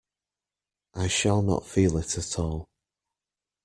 I shall not feel it at all.